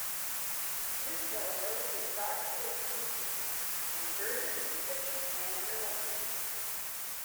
Biswell wrote his doctoral thesis on Burgess's fiction and journalism.